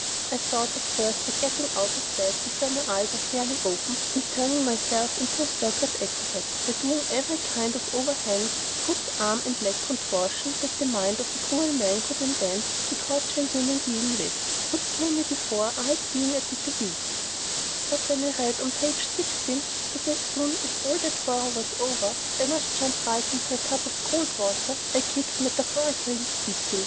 I thought at first that getting out of bed before my eyes are fairly open, and turning myself into a circus acrobat by doing every kind of overhand, foot, arm and leg contortion that the mind of cruel man could invent to torture a human being with, would kill me before I had been at it a week, but when I read on page sixteen that as soon as all that horror was over I must jump right into the tub of cold water, I kicked, metaphorically speaking.